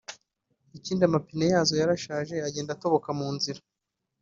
ikindi amapine yazo yarashaje agenda atoboka mu nzira